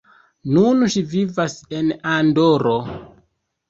Nun ŝi vivas en Andoro.